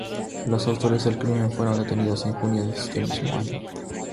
Los autores del crimen fueron detenidos en junio de ese mismo año.